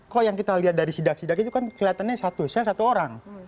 kok yang kita lihat dari sidak sidak itu kan kelihatannya satu sel satu orang